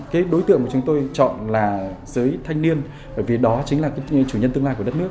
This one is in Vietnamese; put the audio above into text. cái đối tượng mà chúng tôi chọn là giới thanh niên bởi vì đó chính là chủ nhân tương lai của đất nước